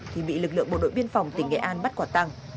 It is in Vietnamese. thì bị lực lượng bộ đội biên phòng tỉnh nghệ an bắt quả tăng